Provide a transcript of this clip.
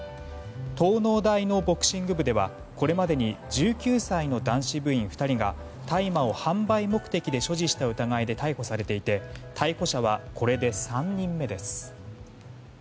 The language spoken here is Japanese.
東農大のボクシング部ではこれまでに１９歳の男子部員２人が大麻を販売目的で所持した疑いで逮捕されていて逮捕者はこれで３人目です。